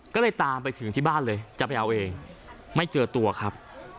ก็เลยตามไปถึงที่บ้านเลยจะไปเอาเองไม่เจอตัวครับ